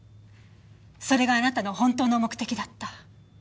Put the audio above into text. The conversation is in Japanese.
それがあなたの本当の目的だった。